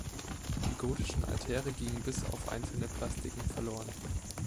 Die gotischen Altäre gingen bis auf einzelne Plastiken verloren.